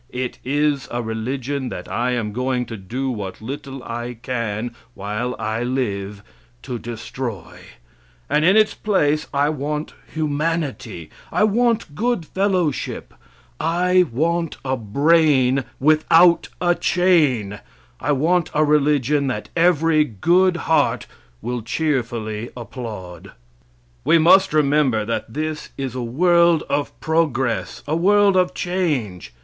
It is a religion that I am going to do what little I can while I live to destroy; and in its place I want humanity, I want good fellowship, I want a brain without a chain, I want a religion that every good heart will cheerfully applaud. We must remember that this is a world of progress, a world of change.